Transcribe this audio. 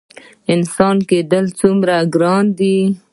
انسان کیدل څومره ګران دي؟